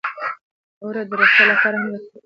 اوړه د روغتیا لپاره هم ګټور دي